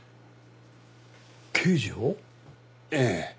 ええ。